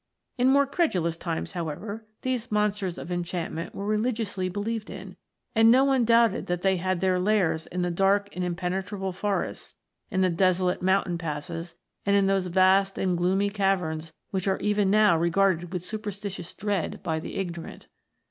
In more credulous times, however, these monsters of enchantment were religiously believed in, and no one doubted that they had their lairs in the dark and impenetrable forests, in the desolate mountain passes, and in those vast and gloomy caverns which are even now regarded with superstitious dread by the ignorant.